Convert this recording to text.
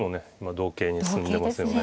同形に進んでますよね。